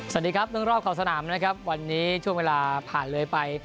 สวัสดีครับเรื่องรอบขอบสนามนะครับวันนี้ช่วงเวลาผ่านเลยไป